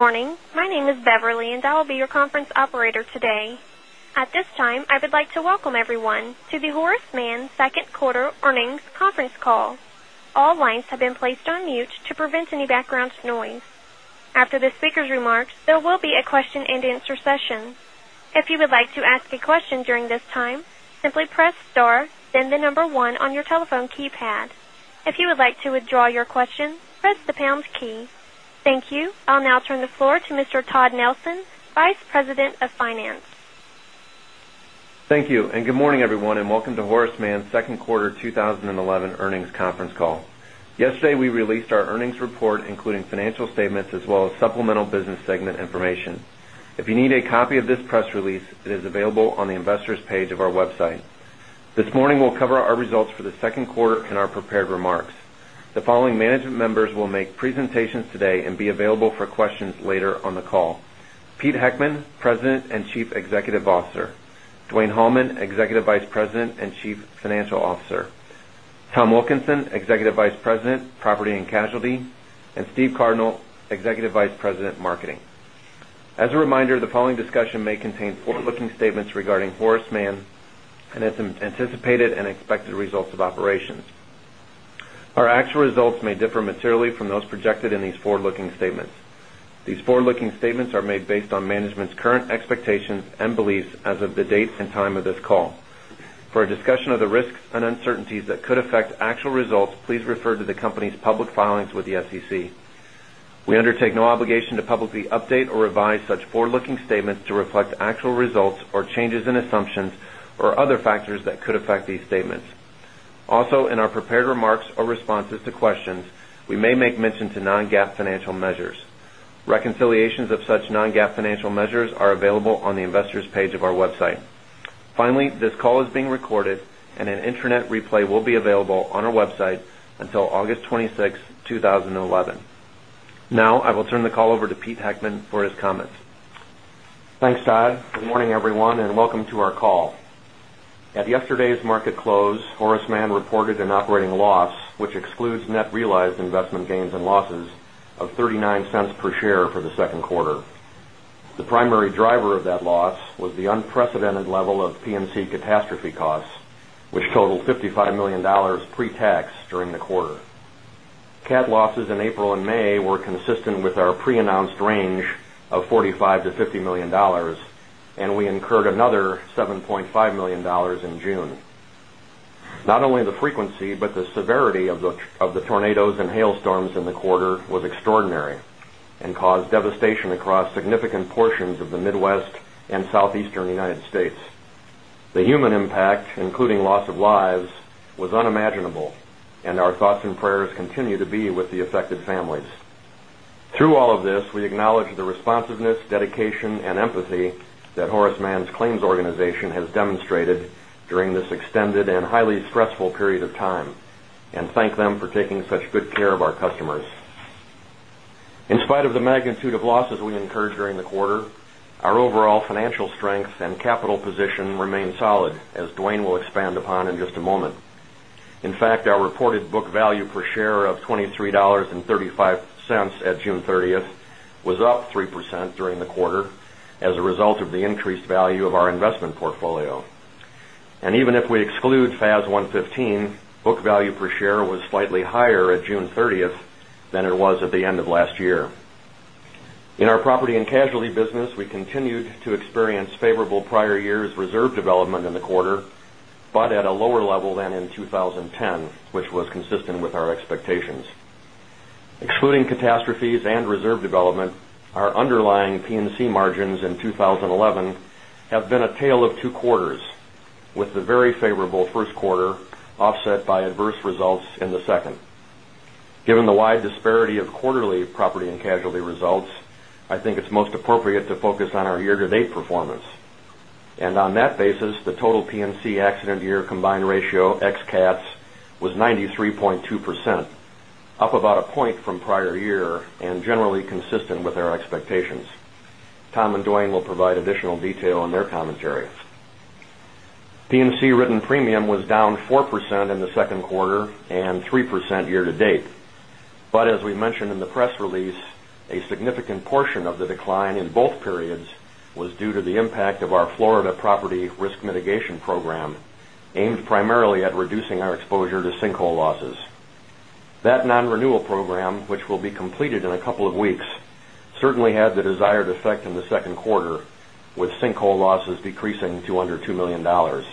Morning. My name is Beverly, and I'll be your conference operator today. At this time, I would like to welcome everyone to the Horace Mann second quarter earnings conference call. All lines have been placed on mute to prevent any background noise. After the speaker's remarks, there will be a question and answer session. If you would like to ask a question during this time, simply press star, then the number one on your telephone keypad. If you would like to withdraw your question, press the pound key. Thank you. I'll now turn the floor to Mr. Todd Nelson, Vice President of Finance. Thank you. Good morning, everyone, and welcome to Horace Mann's second quarter 2011 earnings conference call. Yesterday, we released our earnings report, including financial statements as well as supplemental business segment information. If you need a copy of this press release, it is available on the investors page of our website. This morning, we'll cover our results for the second quarter in our prepared remarks. The following management members will make presentations today and be available for questions later on the call. Peter Heckman, President and Chief Executive Officer, Dwayne Hallman, Executive Vice President and Chief Financial Officer, Tom Wilkinson, Executive Vice President, Property and Casualty, and Steve Cardinal, Executive Vice President, Marketing. As a reminder, the following discussion may contain forward-looking statements regarding Horace Mann and its anticipated and expected results of operations. Our actual results may differ materially from those projected in these forward-looking statements. These forward-looking statements are made based on management's current expectations and beliefs as of the date and time of this call. For a discussion of the risks and uncertainties that could affect actual results, please refer to the company's public filings with the SEC. We undertake no obligation to publicly update or revise such forward-looking statements to reflect actual results or changes in assumptions or other factors that could affect these statements. Also, in our prepared remarks or responses to questions, we may make mention to non-GAAP financial measures. Reconciliations of such non-GAAP financial measures are available on the investors page of our website. Finally, this call is being recorded, and an internet replay will be available on our website until August 26, 2011. Now, I will turn the call over to Peter Heckman for his comments. Thanks, Todd. Good morning, everyone, and welcome to our call. At yesterday's market close, Horace Mann reported an operating loss, which excludes net realized investment gains and losses of $0.39 per share for the second quarter. The primary driver of that loss was the unprecedented level of P&C catastrophe costs, which totaled $55 million pre-tax during the quarter. Cat losses in April and May were consistent with our pre-announced range of $45 million-$50 million, and we incurred another $7.5 million in June. Not only the frequency, but the severity of the tornadoes and hailstorms in the quarter was extraordinary and caused devastation across significant portions of the Midwest and Southeastern U.S. The human impact, including loss of lives, was unimaginable, and our thoughts and prayers continue to be with the affected families. Through all of this, we acknowledge the responsiveness, dedication, and empathy that Horace Mann's claims organization has demonstrated during this extended and highly stressful period of time, and thank them for taking such good care of our customers. In spite of the magnitude of losses we incurred during the quarter, our overall financial strength and capital position remain solid, as Dwayne will expand upon in just a moment. In fact, our reported book value per share of $23.35 at June 30th was up 3% during the quarter as a result of the increased value of our investment portfolio. Even if we exclude FAS 115, book value per share was slightly higher at June 30th than it was at the end of last year. In our property and casualty business, we continued to experience favorable prior years reserve development in the quarter, but at a lower level than in 2010, which was consistent with our expectations. Excluding catastrophes and reserve development, our underlying P&C margins in 2011 have been a tale of two quarters, with the very favorable first quarter offset by adverse results in the second. Given the wide disparity of quarterly property and casualty results, I think it's most appropriate to focus on our year-to-date performance. On that basis, the total P&C accident year combined ratio ex cats was 93.2%, up about a point from prior year and generally consistent with our expectations. Tom and Dwayne will provide additional detail in their commentaries. P&C written premium was down 4% in the second quarter and 3% year-to-date. As we mentioned in the press release, a significant portion of the decline in both periods was due to the impact of our Florida property risk mitigation program, aimed primarily at reducing our exposure to sinkhole losses. That non-renewal program, which will be completed in a couple of weeks, certainly had the desired effect in the second quarter, with sinkhole losses decreasing to under $2 million. Auto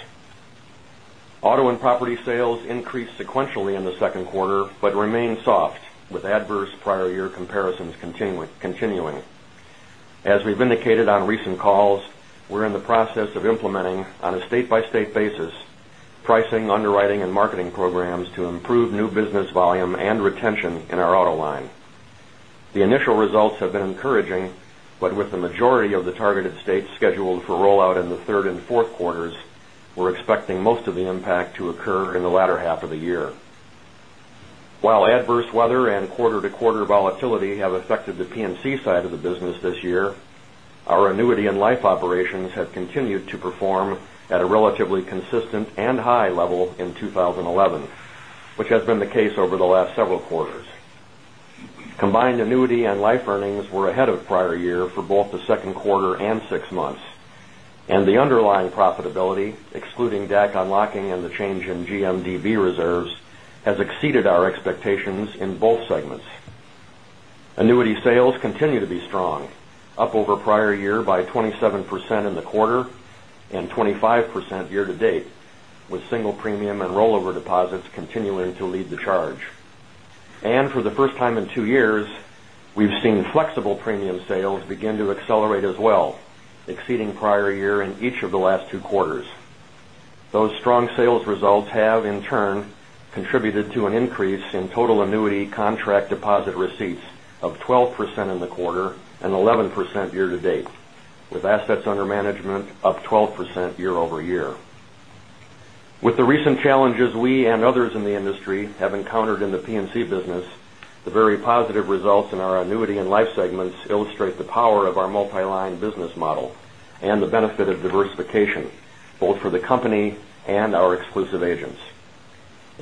and property sales increased sequentially in the second quarter, but remain soft with adverse prior year comparisons continuing. As we've indicated on recent calls, we're in the process of implementing on a state-by-state basis, pricing, underwriting, and marketing programs to improve new business volume and retention in our auto line. The initial results have been encouraging, but with the majority of the targeted states scheduled for rollout in the third and fourth quarters, we're expecting most of the impact to occur in the latter half of the year. While adverse weather and quarter-to-quarter volatility have affected the P&C side of the business this year, our annuity and life operations have continued to perform at a relatively consistent and high level in 2011, which has been the case over the last several quarters. Combined annuity and life earnings were ahead of prior year for both the second quarter and six months. The underlying profitability, excluding DAC unlocking and the change in GMDB reserves, has exceeded our expectations in both segments. Annuity sales continue to be strong, up over prior year by 27% in the quarter and 25% year-to-date, with single premium and rollover deposits continuing to lead the charge. For the first time in two years, we've seen flexible premium sales begin to accelerate as well, exceeding prior year in each of the last two quarters. Those strong sales results have, in turn, contributed to an increase in total annuity contract deposit receipts of 12% in the quarter and 11% year-to-date, with assets under management up 12% year-over-year. With the recent challenges we and others in the industry have encountered in the P&C business, the very positive results in our annuity and life segments illustrate the power of our multi-line business model and the benefit of diversification, both for the company and our exclusive agents.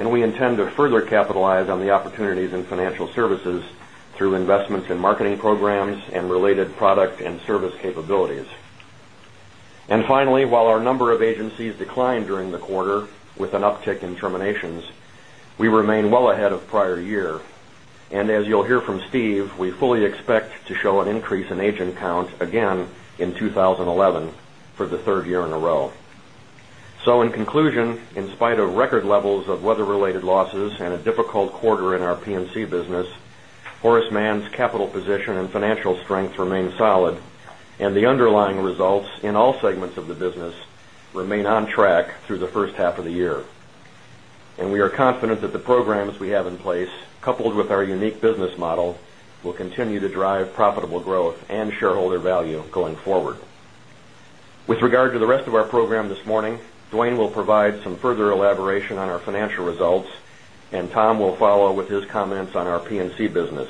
We intend to further capitalize on the opportunities in financial services through investments in marketing programs and related product and service capabilities. Finally, while our number of agencies declined during the quarter with an uptick in terminations, we remain well ahead of prior year. As you'll hear from Steve, we fully expect to show an increase in agent count again in 2011 for the third year in a row. In conclusion, in spite of record levels of weather-related losses and a difficult quarter in our P&C business, Horace Mann's capital position and financial strength remain solid, and the underlying results in all segments of the business remain on track through the first half of the year. We are confident that the programs we have in place, coupled with our unique business model, will continue to drive profitable growth and shareholder value going forward. With regard to the rest of our program this morning, Dwayne will provide some further elaboration on our financial results, and Tom will follow with his comments on our P&C business.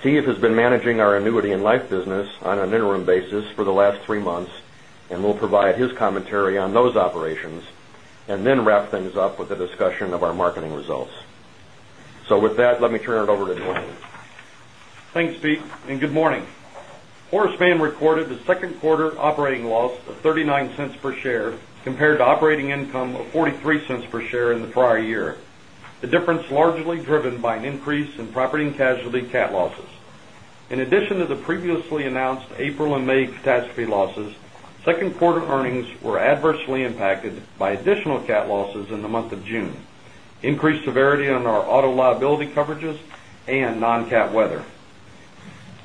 Steve has been managing our annuity and life business on an interim basis for the last three months and will provide his commentary on those operations, then wrap things up with a discussion of our marketing results. With that, let me turn it over to Dwayne. Thanks, Steve, good morning. Horace Mann recorded a second quarter operating loss of $0.39 per share compared to operating income of $0.43 per share in the prior year. The difference largely driven by an increase in property and casualty cat losses. In addition to the previously announced April and May catastrophe losses, second quarter earnings were adversely impacted by additional cat losses in the month of June, increased severity on our auto liability coverages, and non-cat weather.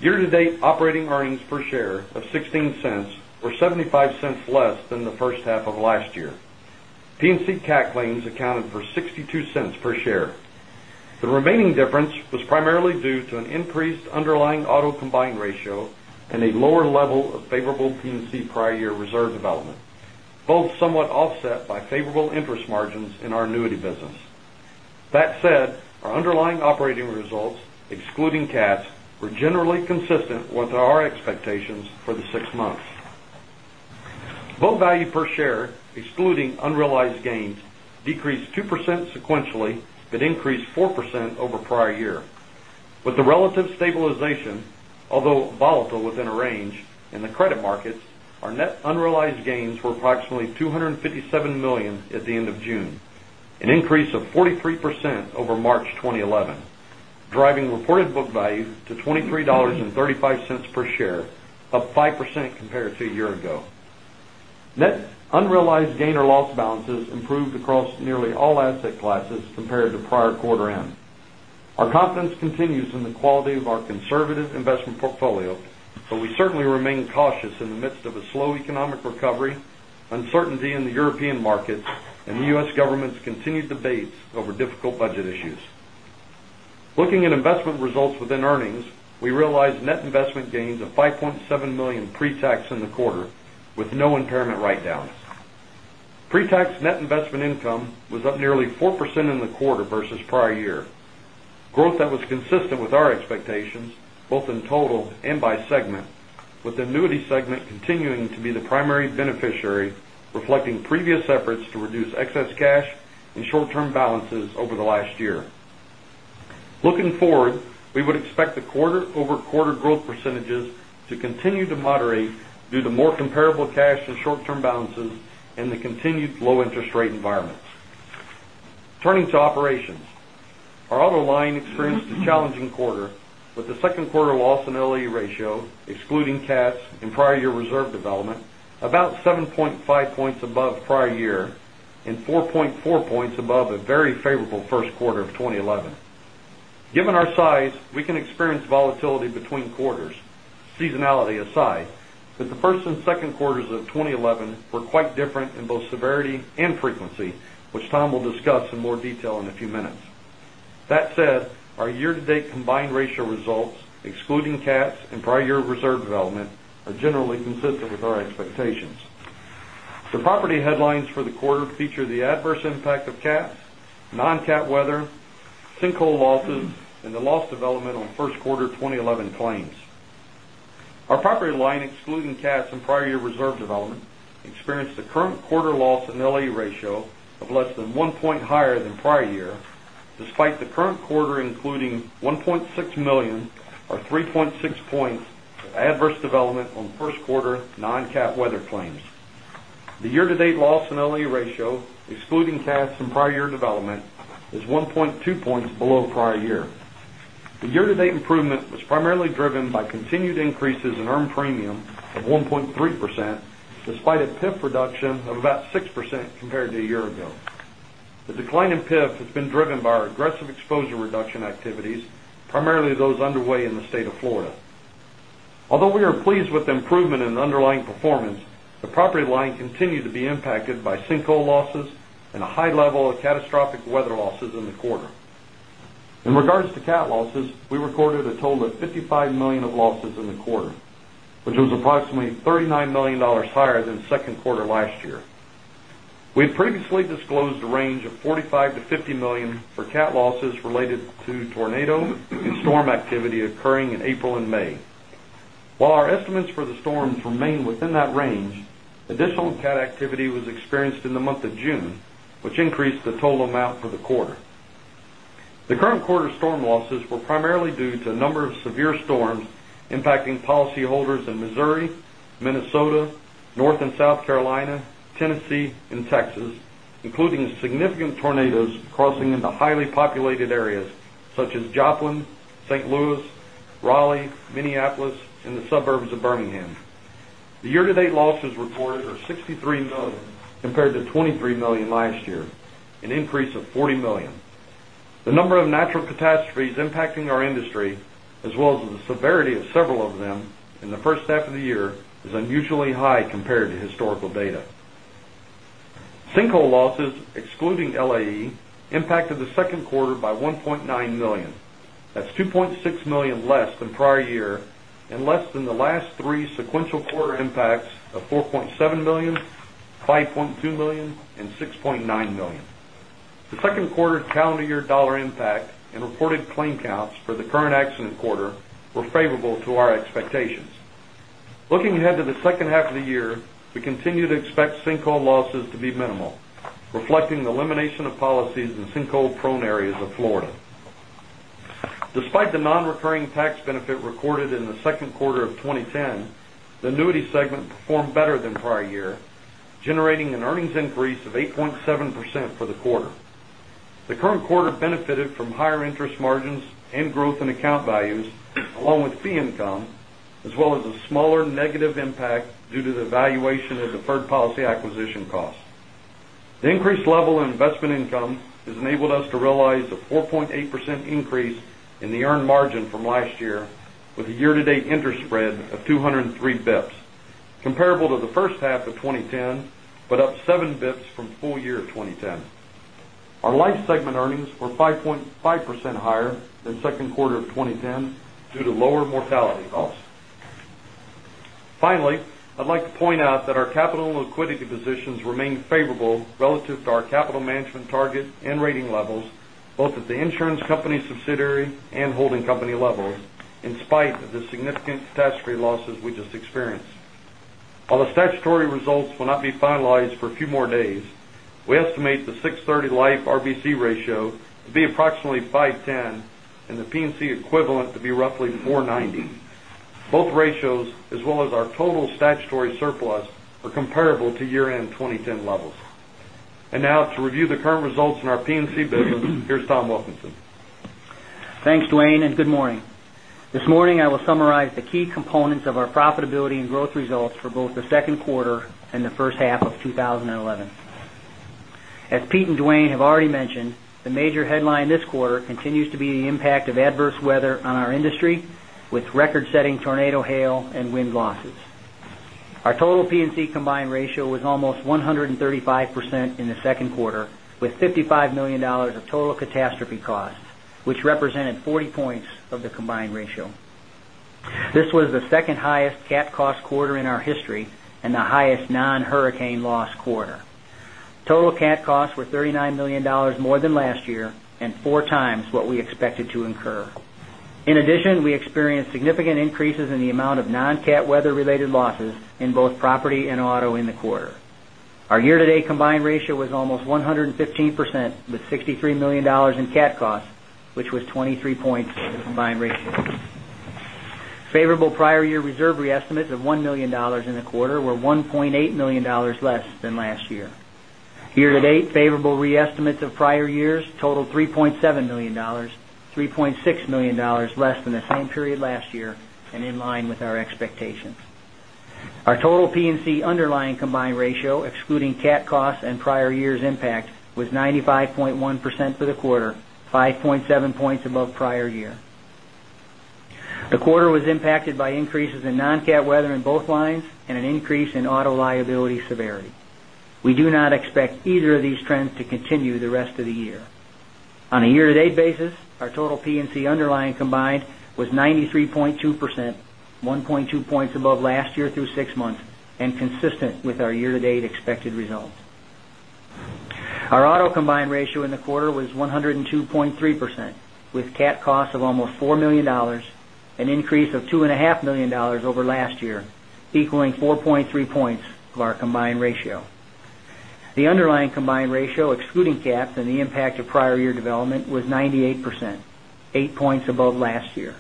Year-to-date operating earnings per share of $0.16 were $0.75 less than the first half of last year. P&C cat claims accounted for $0.62 per share. The remaining difference was primarily due to an increased underlying auto combined ratio and a lower level of favorable P&C prior year reserve development, both somewhat offset by favorable interest margins in our annuity business. That said, our underlying operating results, excluding CATs, were generally consistent with our expectations for the six months. Book value per share, excluding unrealized gains, decreased 2% sequentially but increased 4% over prior year. With the relative stabilization, although volatile within a range in the credit markets, our net unrealized gains were approximately $257 million at the end of June, an increase of 43% over March 2011, driving reported book value to $23.35 per share, up 5% compared to a year ago. Net unrealized gain or loss balances improved across nearly all asset classes compared to prior quarter end. Our confidence continues in the quality of our conservative investment portfolio, but we certainly remain cautious in the midst of a slow economic recovery, uncertainty in the European markets, and the U.S. government's continued debates over difficult budget issues. Looking at investment results within earnings, we realized net investment gains of $5.7 million pre-tax in the quarter, with no impairment write-down. Pre-tax net investment income was up nearly 4% in the quarter versus prior year. Growth that was consistent with our expectations, both in total and by segment, with the annuity segment continuing to be the primary beneficiary, reflecting previous efforts to reduce excess cash and short-term balances over the last year. Looking forward, we would expect the quarter-over-quarter growth percentages to continue to moderate due to more comparable cash and short-term balances and the continued low interest rate environments. Turning to operations. Our auto line experienced a challenging quarter with the second quarter loss and LAE ratio, excluding CATs and prior year reserve development, about 7.5 points above prior year and 4.4 points above a very favorable first quarter of 2011. Given our size, we can experience volatility between quarters, seasonality aside. The first and second quarters of 2011 were quite different in both severity and frequency, which Tom will discuss in more detail in a few minutes. That said, our year-to-date combined ratio results, excluding CATs and prior year reserve development, are generally consistent with our expectations. The property headlines for the quarter feature the adverse impact of CATs, non-CAT weather, sinkhole losses, and the loss development on first quarter 2011 claims. Our property line, excluding CATs and prior year reserve development, experienced a current quarter loss in LAE ratio of less than one point higher than prior year, despite the current quarter including $1.6 million, or 3.6 points of adverse development on first quarter non-CAT weather claims. The year-to-date loss in LAE ratio, excluding CATs and prior year development, is 1.2 points below prior year. The year-to-date improvement was primarily driven by continued increases in earned premium of 1.3%, despite a PIF reduction of about 6% compared to a year ago. The decline in PIF has been driven by our aggressive exposure reduction activities, primarily those underway in the state of Florida. Although we are pleased with the improvement in underlying performance, the property line continued to be impacted by sinkhole losses and a high level of catastrophic weather losses in the quarter. In regards to CAT losses, we recorded a total of $55 million of losses in the quarter, which was approximately $39 million higher than second quarter last year. We had previously disclosed a range of $45 million-$50 million for CAT losses related to tornado and storm activity occurring in April and May. While our estimates for the storms remain within that range, additional CAT activity was experienced in the month of June, which increased the total amount for the quarter. The current quarter storm losses were primarily due to a number of severe storms impacting policyholders in Missouri, Minnesota, North and South Carolina, Tennessee, and Texas, including significant tornadoes crossing into highly populated areas such as Joplin, St. Louis, Raleigh, Minneapolis, and the suburbs of Birmingham. The year-to-date losses reported are $63 million compared to $23 million last year, an increase of $40 million. The number of natural catastrophes impacting our industry, as well as the severity of several of them in the first half of the year, is unusually high compared to historical data. Sinkhole losses, excluding LAE, impacted the second quarter by $1.9 million. That's $2.6 million less than prior year and less than the last three sequential quarter impacts of $4.7 million, $5.2 million, and $6.9 million. The second quarter calendar year dollar impact and reported claim counts for the current accident quarter were favorable to our expectations. Looking ahead to the second half of the year, we continue to expect sinkhole losses to be minimal, reflecting the elimination of policies in sinkhole-prone areas of Florida. Despite the non-recurring tax benefit recorded in the second quarter of 2010, the Annuity segment performed better than prior year, generating an earnings increase of 8.7% for the quarter. The current quarter benefited from higher interest margins and growth in account values, along with fee income, as well as a smaller negative impact due to the valuation of deferred policy acquisition costs. The increased level in investment income has enabled us to realize a 4.8% increase in the earned margin from last year with a year-to-date interest spread of 203 basis points, comparable to the first half of 2010, but up seven basis points from full year 2010. Our Life segment earnings were 5.5% higher than second quarter of 2010 due to lower mortality costs. I'd like to point out that our capital and liquidity positions remain favorable relative to our capital management target and rating levels, both at the insurance company subsidiary and holding company levels, in spite of the significant statutory losses we just experienced. The statutory results will not be finalized for a few more days, we estimate the June 30 Life RBC ratio to be approximately 510 and the P&C equivalent to be roughly 490. Both ratios, as well as our total statutory surplus, are comparable to year-end 2010 levels. Now to review the current results in our P&C business, here's Tom Wilkinson. Thanks, Dwayne, and good morning. This morning, I will summarize the key components of our profitability and growth results for both the second quarter and the first half of 2011. As Pete and Dwayne have already mentioned, the major headline this quarter continues to be the impact of adverse weather on our industry, with record-setting tornado, hail, and wind losses. Our total P&C combined ratio was almost 135% in the second quarter, with $55 million of total CAT costs, which represented 40 points of the combined ratio. This was the second-highest CAT cost quarter in our history and the highest non-hurricane loss quarter. Total CAT costs were $39 million more than last year and four times what we expected to incur. In addition, we experienced significant increases in the amount of non-CAT weather-related losses in both property and auto in the quarter. Our year-to-date combined ratio was almost 115%, with $63 million in CAT costs, which was 23 points of the combined ratio. Favorable prior year reserve reestimates of $1 million in the quarter were $1.8 million less than last year. Year-to-date, favorable reestimates of prior years totaled $3.7 million, $3.6 million less than the same period last year and in line with our expectations. Our total P&C underlying combined ratio, excluding CAT costs and prior year's impact, was 95.1% for the quarter, 5.7 points above prior year. The quarter was impacted by increases in non-CAT weather in both lines and an increase in auto liability severity. We do not expect either of these trends to continue the rest of the year. On a year-to-date basis, our total P&C underlying combined was 93.2%, 1.2 points above last year through six months and consistent with our year-to-date expected results. Our auto combined ratio in the quarter was 102.3%, with CAT costs of almost $4 million, an increase of $2.5 million over last year, equaling 4.3 points of our combined ratio. The underlying combined ratio, excluding CAT and the impact of prior year development, was 98%, eight points above last year.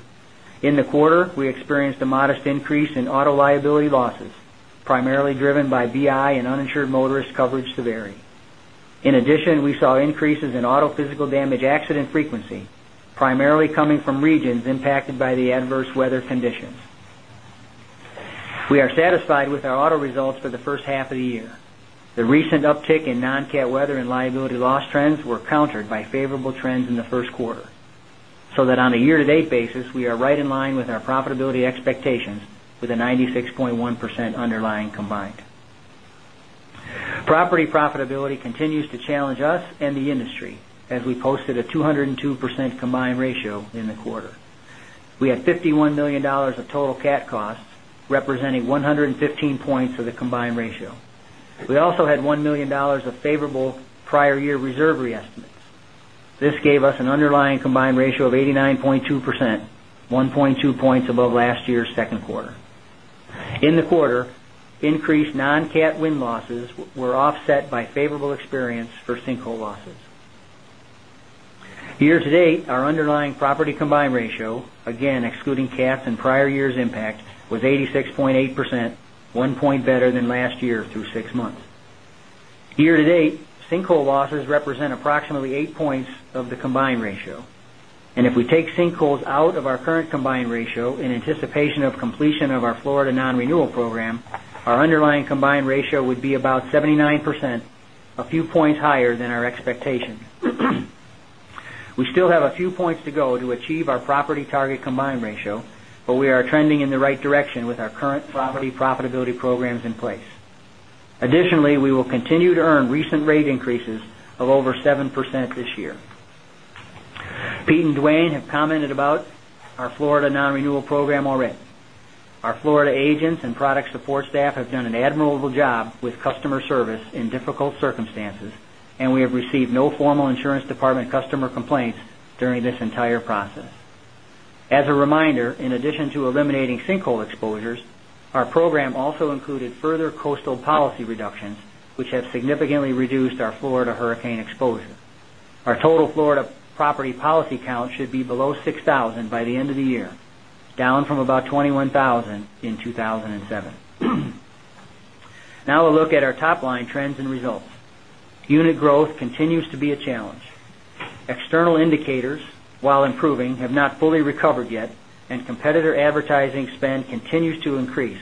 In the quarter, we experienced a modest increase in auto liability losses, primarily driven by BI and uninsured motorist coverage severity. In addition, we saw increases in auto physical damage accident frequency, primarily coming from regions impacted by the adverse weather conditions. We are satisfied with our auto results for the first half of the year. That on a year-to-date basis, we are right in line with our profitability expectations with a 96.1% underlying combined. Property profitability continues to challenge us and the industry as we posted a 202% combined ratio in the quarter. We had $51 million of total CAT costs, representing 115 points of the combined ratio. We also had $1 million of favorable prior year reserve re-estimates. This gave us an underlying combined ratio of 89.2%, 1.2 points above last year's second quarter. In the quarter, increased non-CAT wind losses were offset by favorable experience for sinkhole losses. Year-to-date, our underlying property combined ratio, again excluding CAT and prior year's impact, was 86.8%, one point better than last year through six months. Year-to-date, sinkhole losses represent approximately eight points of the combined ratio. If we take sinkholes out of our current combined ratio in anticipation of completion of our Florida non-renewal program, our underlying combined ratio would be about 79%, a few points higher than our expectation. We still have a few points to go to achieve our property target combined ratio, but we are trending in the right direction with our current property profitability programs in place. Additionally, we will continue to earn recent rate increases of over 7% this year. Pete and Dwayne have commented about our Florida non-renewal program already. Our Florida agents and product support staff have done an admirable job with customer service in difficult circumstances, and we have received no formal insurance department customer complaints during this entire process. As a reminder, in addition to eliminating sinkhole exposures, our program also included further coastal policy reductions, which have significantly reduced our Florida hurricane exposure. Our total Florida property policy count should be below 6,000 by the end of the year, down from about 21,000 in 2007. Now we'll look at our top-line trends and results. Unit growth continues to be a challenge. External indicators, while improving, have not fully recovered yet, and competitor advertising spend continues to increase,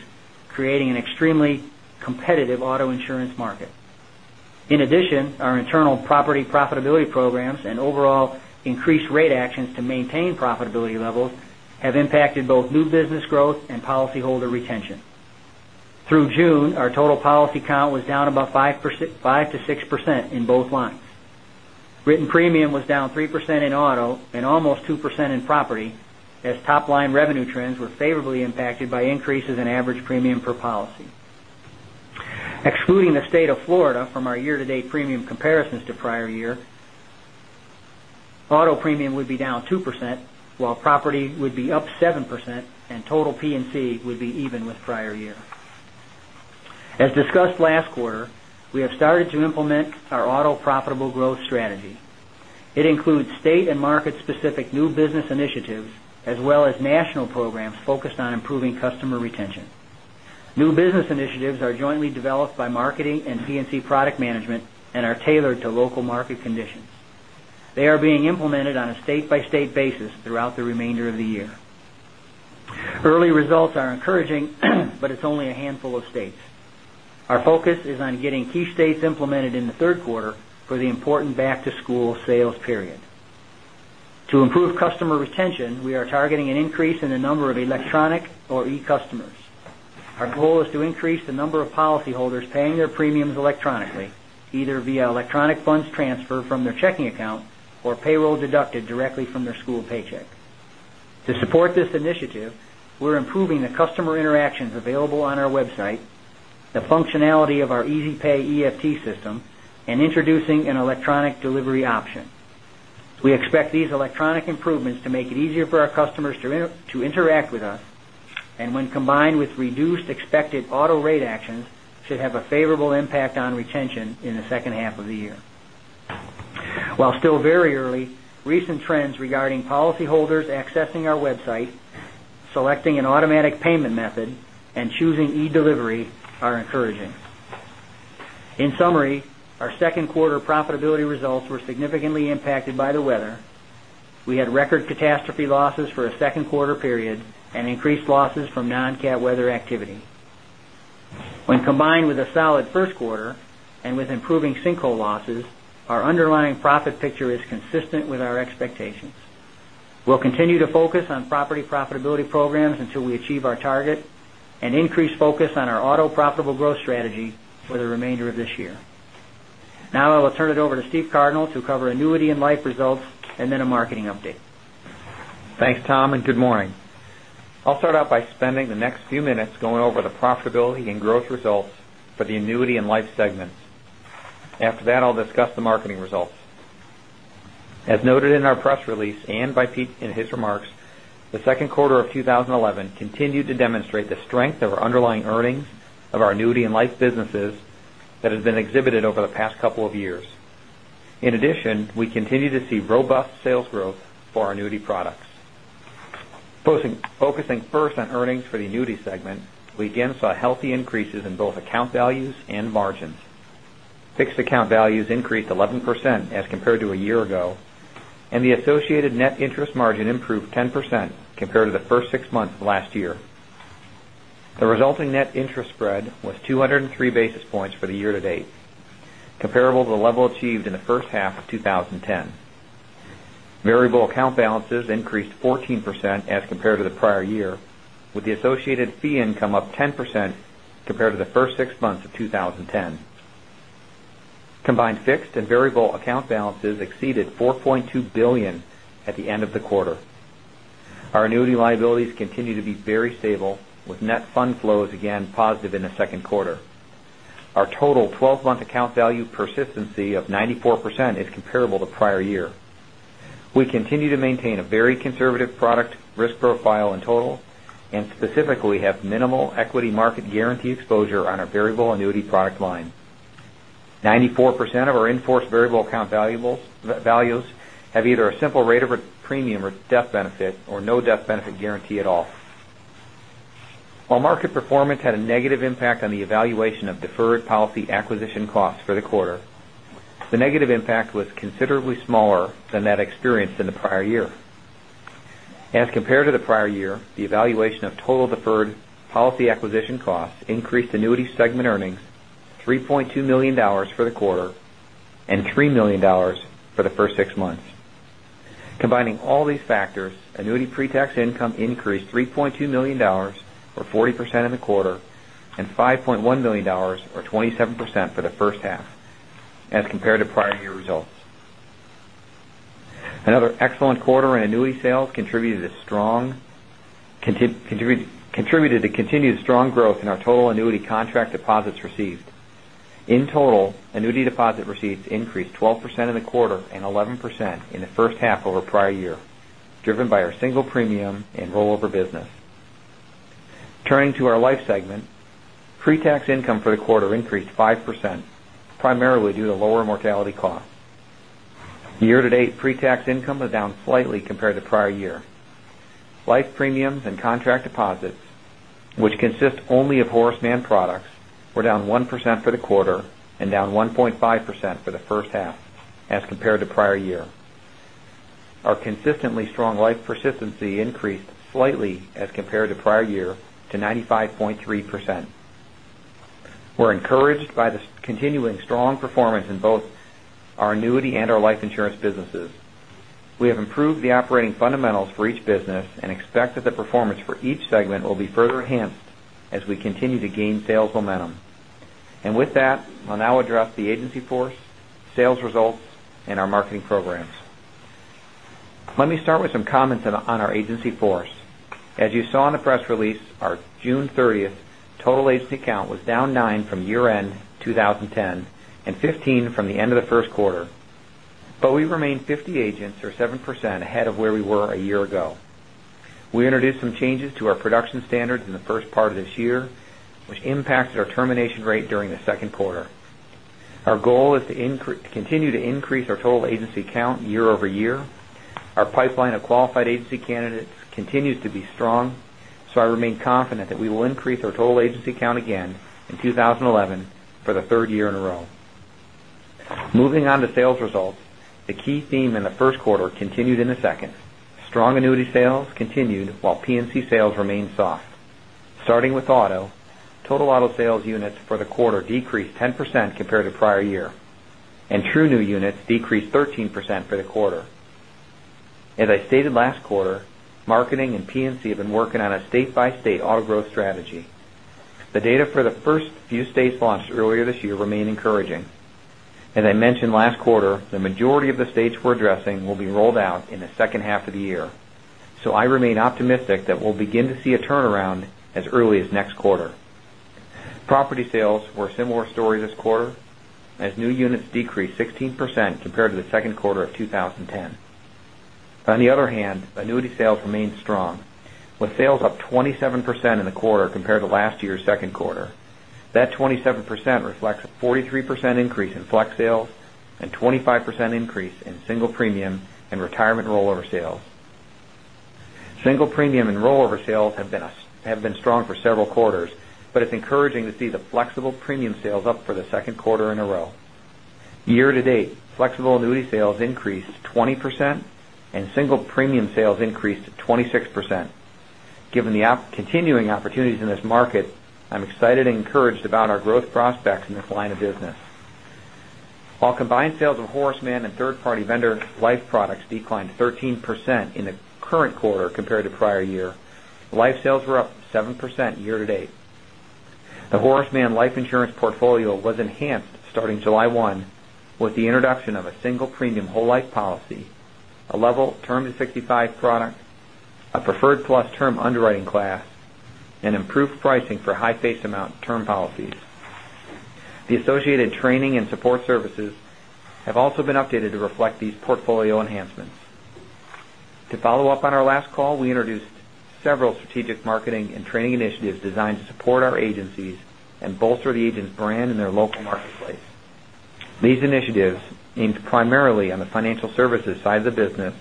creating an extremely competitive auto insurance market. In addition, our internal property profitability programs and overall increased rate actions to maintain profitability levels have impacted both new business growth and policyholder retention. Through June, our total policy count was down about 5% to 6% in both lines. Written premium was down 3% in auto and almost 2% in property, as top-line revenue trends were favorably impacted by increases in average premium per policy. Excluding the state of Florida from our year-to-date premium comparisons to prior year, auto premium would be down 2%, while property would be up 7%, and total P&C would be even with prior year. As discussed last quarter, we have started to implement our auto profitable growth strategy. It includes state and market-specific new business initiatives, as well as national programs focused on improving customer retention. New business initiatives are jointly developed by marketing and P&C product management and are tailored to local market conditions. They are being implemented on a state-by-state basis throughout the remainder of the year. Early results are encouraging, but it's only a handful of states. Our focus is on getting key states implemented in the third quarter for the important back-to-school sales period. To improve customer retention, we are targeting an increase in the number of electronic or e-customers. Our goal is to increase the number of policyholders paying their premiums electronically, either via electronic funds transfer from their checking account or payroll deducted directly from their school paycheck. To support this initiative, we're improving the customer interactions available on our website, the functionality of our EasyPay EFT system, and introducing an electronic delivery option. We expect these electronic improvements to make it easier for our customers to interact with us, and when combined with reduced expected auto rate actions, should have a favorable impact on retention in the second half of the year. While still very early, recent trends regarding policyholders accessing our website, selecting an automatic payment method, and choosing e-delivery are encouraging. In summary, our second quarter profitability results were significantly impacted by the weather. We had record catastrophe losses for a second quarter period and increased losses from non-cat weather activity. When combined with a solid first quarter and with improving sinkhole losses, our underlying profit picture is consistent with our expectations. We'll continue to focus on property profitability programs until we achieve our target, and increase focus on our auto profitable growth strategy for the remainder of this year. Now I will turn it over to Steve Cardinal to cover annuity and life results, and then a marketing update. Thanks, Tom, and good morning. I'll start out by spending the next few minutes going over the profitability and growth results for the annuity and life segments. After that, I'll discuss the marketing results. As noted in our press release and by Pete in his remarks, the second quarter of 2011 continued to demonstrate the strength of our underlying earnings of our annuity and life businesses that has been exhibited over the past couple of years. In addition, we continue to see robust sales growth for our annuity products. Focusing first on earnings for the annuity segment, we again saw healthy increases in both account values and margins. Fixed account values increased 11% as compared to a year ago, and the associated net interest margin improved 10% compared to the first six months of last year. The resulting net interest spread was 203 basis points for the year to date, comparable to the level achieved in the first half of 2010. Variable account balances increased 14% as compared to the prior year, with the associated fee income up 10% compared to the first six months of 2010. Combined fixed and variable account balances exceeded $4.2 billion at the end of the quarter. Our annuity liabilities continue to be very stable, with net fund flows again positive in the second quarter. Our total 12-month account value persistency of 94% is comparable to prior year. We continue to maintain a very conservative product risk profile in total, and specifically have minimal equity market guarantee exposure on our variable annuity product line. 94% of our in-force variable account values have either a simple rate of a premium or death benefit, or no death benefit guarantee at all. While market performance had a negative impact on the evaluation of deferred policy acquisition costs for the quarter, the negative impact was considerably smaller than that experienced in the prior year. As compared to the prior year, the evaluation of total deferred policy acquisition costs increased annuity segment earnings $3.2 million for the quarter and $3 million for the first six months. Combining all these factors, annuity pretax income increased $3.2 million, or 40% in the quarter, and $5.1 million or 27% for the first half as compared to prior year results. Another excellent quarter in annuity sales contributed to continued strong growth in our total annuity contract deposits received. In total, annuity deposit receipts increased 12% in the quarter and 11% in the first half over prior year, driven by our single premium and rollover business. Turning to our life segment, pretax income for the quarter increased 5%, primarily due to lower mortality costs. Year to date, pretax income was down slightly compared to prior year. Life premiums and contract deposits, which consist only of Horace Mann products, were down 1% for the quarter and down 1.5% for the first half as compared to prior year. Our consistently strong life persistency increased slightly as compared to prior year to 95.3%. We're encouraged by the continuing strong performance in both our annuity and our life insurance businesses. We have improved the operating fundamentals for each business and expect that the performance for each segment will be further enhanced as we continue to gain sales momentum. With that, I'll now address the agency force, sales results, and our marketing programs. Let me start with some comments on our agency force. As you saw in the press release, our June 30th total agency account was down nine from year-end 2010 and 15 from the end of the first quarter. We remain 50 agents or 7% ahead of where we were a year ago. We introduced some changes to our production standards in the first part of this year, which impacted our termination rate during the second quarter. Our goal is to continue to increase our total agency count year-over-year. Our pipeline of qualified agency candidates continues to be strong, I remain confident that we will increase our total agency count again in 2011 for the third year in a row. Moving on to sales results. The key theme in the first quarter continued in the second. Strong annuity sales continued while P&C sales remained soft. Starting with auto, total auto sales units for the quarter decreased 10% compared to prior year, and true new units decreased 13% for the quarter. As I stated last quarter, marketing and P&C have been working on a state-by-state auto growth strategy. The data for the first few states launched earlier this year remain encouraging. As I mentioned last quarter, the majority of the states we're addressing will be rolled out in the second half of the year. I remain optimistic that we'll begin to see a turnaround as early as next quarter. Property sales were a similar story this quarter, as new units decreased 16% compared to the second quarter of 2010. On the other hand, annuity sales remained strong, with sales up 27% in the quarter compared to last year's second quarter. That 27% reflects a 43% increase in flex sales and 25% increase in single premium and retirement rollover sales. Single premium and rollover sales have been strong for several quarters, it's encouraging to see the flexible premium sales up for the second quarter in a row. Year to date, flexible annuity sales increased 20% and single premium sales increased 26%. Given the continuing opportunities in this market, I'm excited and encouraged about our growth prospects in this line of business. While combined sales of Horace Mann and third-party vendor life products declined 13% in the current quarter compared to prior year, life sales were up 7% year to date. The Horace Mann life insurance portfolio was enhanced starting July 1 with the introduction of a single premium whole life policy, a level term to 65 product, a preferred plus term underwriting class, and improved pricing for high face amount term policies. The associated training and support services have also been updated to reflect these portfolio enhancements. To follow up on our last call, we introduced several strategic marketing and training initiatives designed to support our agencies and bolster the agent's brand in their local marketplace. These initiatives, aimed primarily on the financial services side of the business,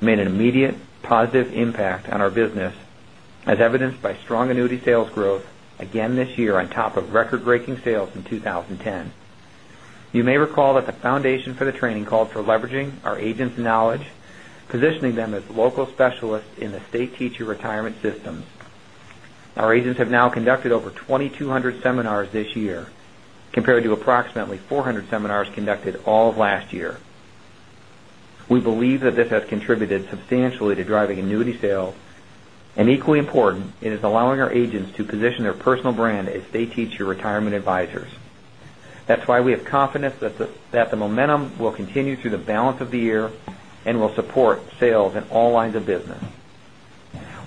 made an immediate positive impact on our business, as evidenced by strong annuity sales growth again this year on top of record-breaking sales in 2010. You may recall that the foundation for the training called for leveraging our agents' knowledge, positioning them as local specialists in the state teacher retirement systems. Our agents have now conducted over 2,200 seminars this year, compared to approximately 400 seminars conducted all of last year. We believe that this has contributed substantially to driving annuity sales, and equally important, it is allowing our agents to position their personal brand as state teacher retirement advisors. That's why we have confidence that the momentum will continue through the balance of the year and will support sales in all lines of business.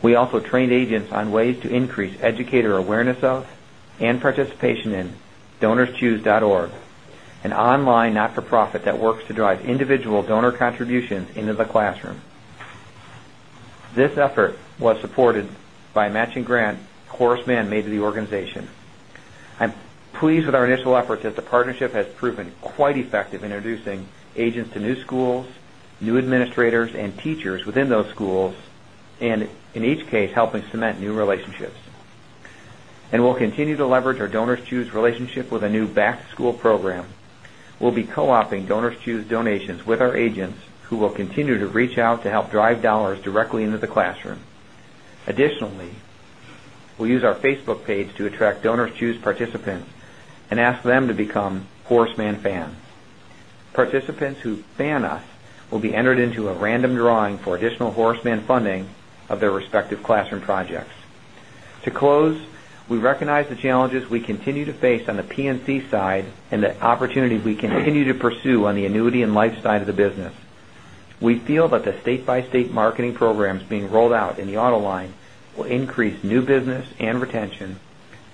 We also trained agents on ways to increase educator awareness of and participation in DonorsChoose.org, an online not-for-profit that works to drive individual donor contributions into the classroom. This effort was supported by a matching grant Horace Mann made to the organization. I'm pleased with our initial efforts that the partnership has proven quite effective in introducing agents to new schools, new administrators, and teachers within those schools, and in each case, helping cement new relationships. We'll continue to leverage our DonorsChoose relationship with a new back-to-school program. We'll be co-opting DonorsChoose donations with our agents, who will continue to reach out to help drive dollars directly into the classroom. Additionally, we'll use our Facebook page to attract DonorsChoose participants and ask them to become Horace Mann fans. Participants who fan us will be entered into a random drawing for additional Horace Mann funding of their respective classroom projects. To close, we recognize the challenges we continue to face on the P&C side and the opportunities we continue to pursue on the annuity and life side of the business. We feel that the state-by-state marketing programs being rolled out in the auto line will increase new business and retention,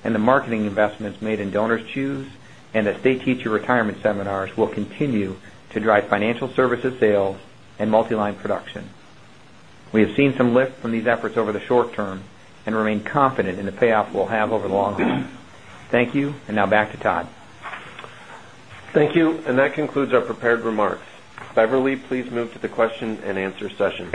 and the marketing investments made in DonorsChoose and the state teacher retirement seminars will continue to drive financial services sales and multi-line production. We have seen some lift from these efforts over the short term and remain confident in the payoff we'll have over the long term. Thank you, and now back to Todd. Thank you, and that concludes our prepared remarks. Beverly, please move to the question and answer session.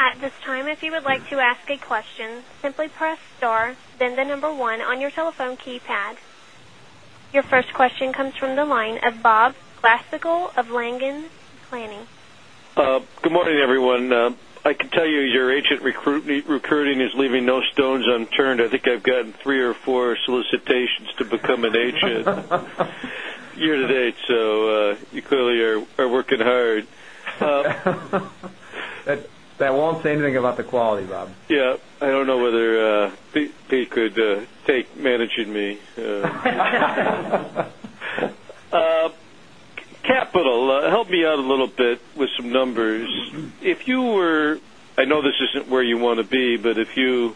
At this time, if you would like to ask a question, simply press star, then the number one on your telephone keypad. Your first question comes from the line of Bob Glasspiegel of Langen McAlenney. Good morning, everyone. I can tell you, your agent recruiting is leaving no stones unturned. I think I've gotten three or four solicitations to become an agent year to date. You clearly are working hard. That won't say anything about the quality, Bob. Yeah. I don't know whether Pete could take managing me. Capital. Help me out a little bit with some numbers. I know this isn't where you want to be, but if you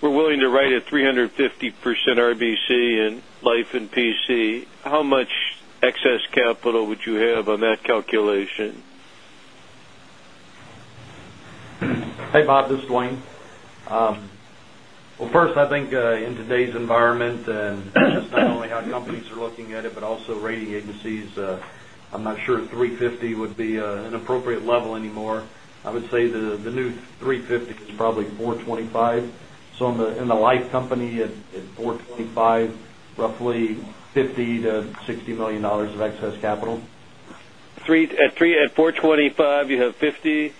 were willing to write a 350% RBC in life and P&C, how much excess capital would you have on that calculation? Hey, Bob, this is Dwayne. First, I think, in today's environment, and just not only how companies are looking at it, but also rating agencies, I'm not sure if 350 would be an appropriate level anymore. I would say the new 350 is probably 425. In the life company at 425, roughly $50 million-$60 million of excess capital. At 425, you have $50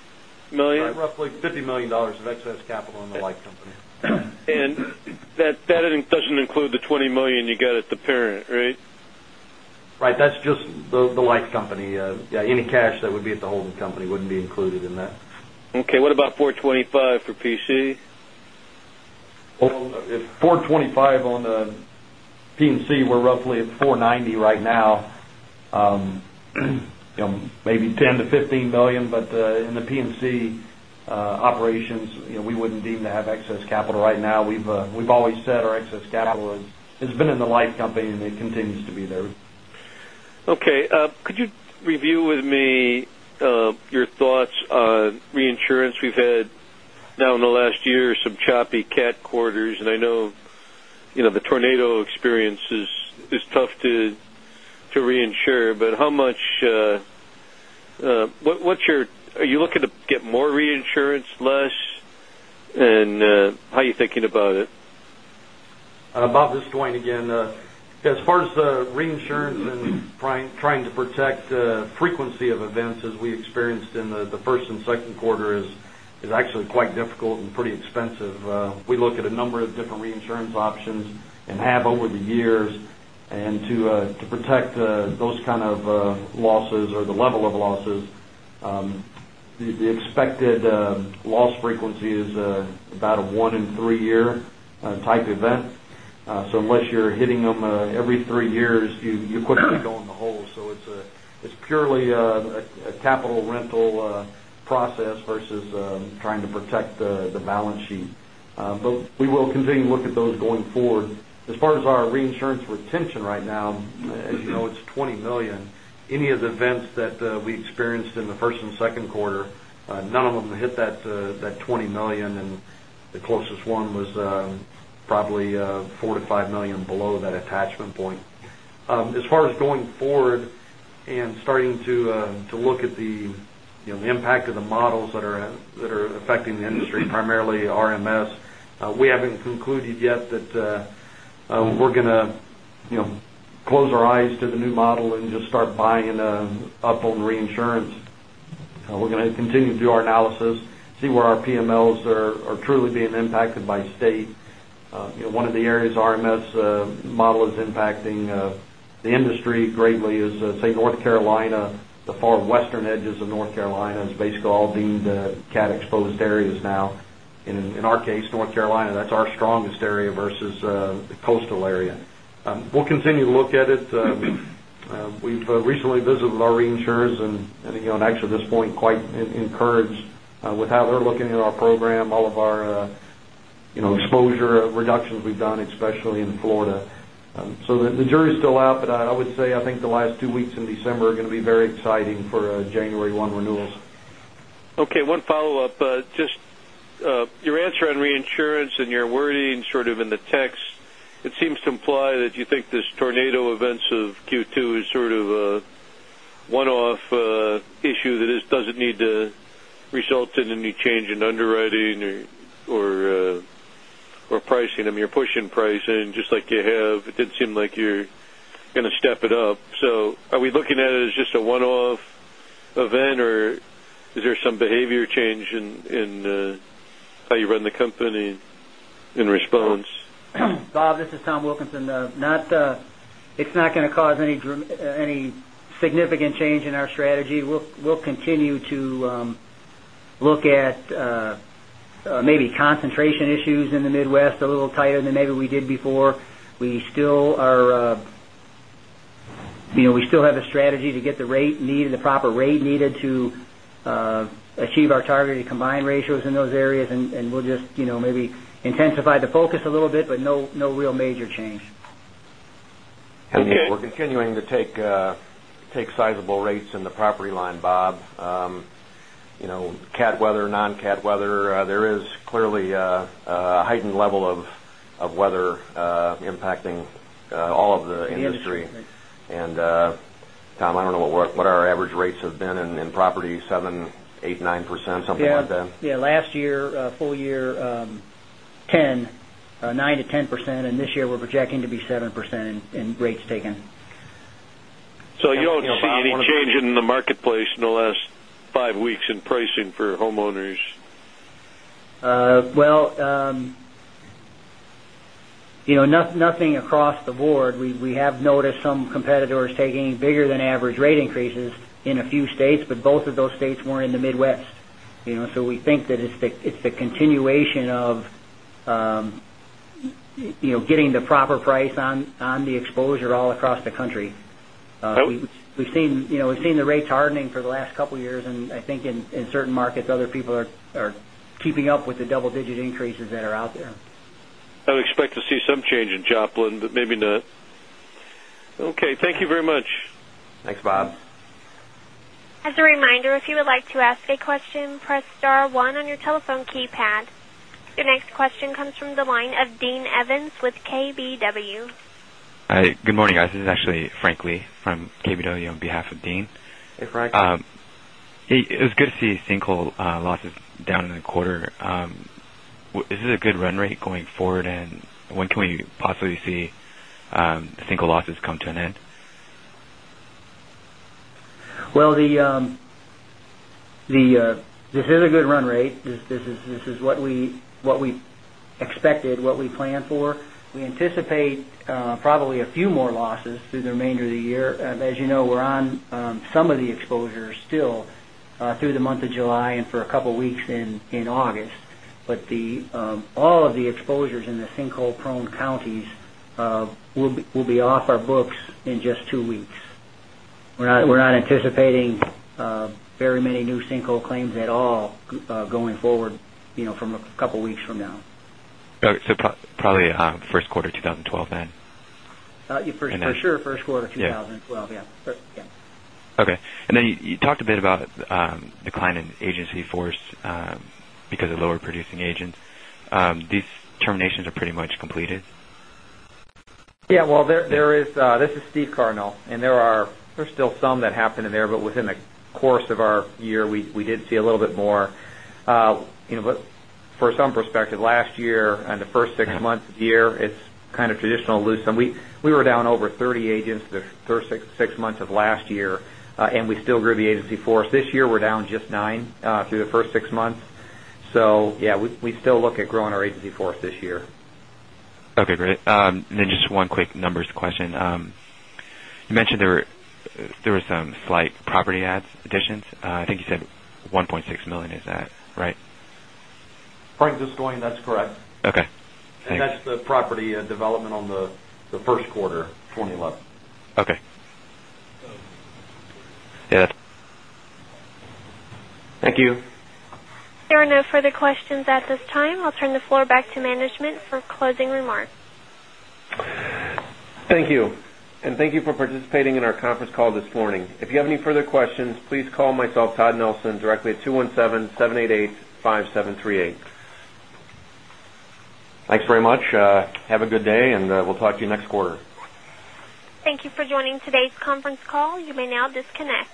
million? Right, roughly $50 million of excess capital in the life company. That doesn't include the $20 million you got at the parent, right? Right. That's just the life company. Any cash that would be at the holding company wouldn't be included in that. Okay, what about 425 for P&C? Well, at 425 on the P&C, we're roughly at 490 right now. Maybe $10 million-$15 million, in the P&C operations, we wouldn't deem to have excess capital right now. We've always said our excess capital has been in the life company, and it continues to be there. Okay. Could you review with me your thoughts on reinsurance? We've had now in the last year, some choppy cat quarters, and I know the tornado experience is tough to reinsure. Are you looking to get more reinsurance, less, and how are you thinking about it? Bob, this is Dwayne again. As far as the reinsurance and trying to protect frequency of events as we experienced in the first and second quarter is actually quite difficult and pretty expensive. We look at a number of different reinsurance options and have over the years, and to protect those kind of losses or the level of losses, the expected loss frequency is about a one-in-three-year type event. Unless you're hitting them every three years, you quickly go in the hole. It's purely a capital rental process versus trying to protect the balance sheet. We will continue to look at those going forward. As far as our reinsurance retention right now, as you know, it's $20 million. Any of the events that we experienced in the first and second quarter, none of them hit that $20 million, and the closest one was probably $4 million-$5 million below that attachment point. As far as going forward and starting to look at the impact of the models that are affecting the industry, primarily RMS, we haven't concluded yet that we're going to close our eyes to the new model and just start buying up on reinsurance. We're going to continue to do our analysis, see where our PMLs are truly being impacted by state. One of the areas RMS model is impacting the industry greatly is, say, North Carolina. The far western edges of North Carolina is basically all deemed cat exposed areas now. In our case, North Carolina, that's our strongest area versus the coastal area. We'll continue to look at it. We've recently visited with our reinsurers and actually at this point quite encouraged with how they're looking at our program, all of our exposure reductions we've done, especially in Florida. The jury's still out, but I would say, I think the last two weeks in December are going to be very exciting for January 1 renewals. Okay, one follow-up. Just your answer on reinsurance and your wording sort of in the text, it seems to imply that you think this tornado events of Q2 is sort of a one-off issue that just doesn't need to result in any change in underwriting or pricing. I mean, you're pushing price in just like you have. It didn't seem like you're going to step it up. Are we looking at it as just a one-off event, or is there some behavior change in how you run the company in response? Bob, this is Tom Wilkinson. It's not going to cause any significant change in our strategy. We'll continue to look at maybe concentration issues in the Midwest a little tighter than maybe we did before. We still have a strategy to get the proper rate needed to achieve our targeted combined ratios in those areas, we'll just maybe intensify the focus a little bit, but no real major change. We're continuing to take sizable rates in the property line, Bob. Cat weather, non-cat weather, there is clearly a heightened level of weather impacting all of the industry. The industry. Tom, I don't know what our average rates have been in property, seven, eight, 9%, something like that? Yeah. Last year, full year, 9%-10%. This year we're projecting to be 7% in rates taken. You don't see any change in the marketplace in the last five weeks in pricing for homeowners? Nothing across the board. We have noticed some competitors taking bigger than average rate increases in a few states, both of those states were in the Midwest. We think that it's the continuation of getting the proper price on the exposure all across the country. Okay. We've seen the rates hardening for the last couple of years, I think in certain markets, other people are keeping up with the double-digit increases that are out there. I would expect to see some change in Joplin, maybe not. Okay, thank you very much. Thanks, Bob. As a reminder, if you would like to ask a question, press star one on your telephone keypad. Your next question comes from the line of Dean Evans with KBW. Hi. Good morning, guys. This is actually Frank Lee from KBW on behalf of Dean. Hey, Frank. It was good to see sinkhole losses down in the quarter. Is this a good run rate going forward, and when can we possibly see the sinkhole losses come to an end? This is a good run rate. This is what we expected, what we planned for. We anticipate probably a few more losses through the remainder of the year. As you know, we're on some of the exposures still through the month of July and for a couple of weeks in August. All of the exposures in the sinkhole prone counties will be off our books in just two weeks. We're not anticipating very many new sinkhole claims at all going forward from a couple of weeks from now. Probably first quarter 2012, then? For sure, first quarter 2012. Yeah. Okay. You talked a bit about decline in agency force because of lower producing agents. These terminations are pretty much completed? Well, this is Steve Cardinal, and there's still some that happen in there, but within the course of our year, we did see a little bit more. For some perspective, last year and the first six months of the year, it's kind of traditionally fluid. We were down over 30 agents the first six months of last year, and we still grew the agency force. This year, we're down just nine through the first six months. We still look at growing our agency force this year. Okay, great. Then just one quick numbers question. You mentioned there were some slight property additions. I think you said $1.6 million, is that right? Frank, this is Dwayne. That's correct. Okay. That's the property development on the first quarter 2011. Okay. Thank you. There are no further questions at this time. I'll turn the floor back to management for closing remarks. Thank you. Thank you for participating in our conference call this morning. If you have any further questions, please call myself, Todd Nelson, directly at 217-788-5738. Thanks very much. Have a good day, we'll talk to you next quarter. Thank you for joining today's conference call. You may now disconnect.